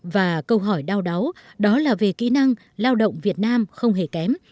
và câu hỏi đau đáu đó là về kỹ năng lao động việt nam không hề kém